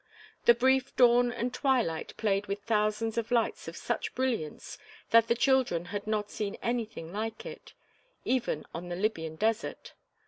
The brief dawn and twilight played with thousands of lights of such brilliance that the children had not seen anything like it, even on the Libyan Desert.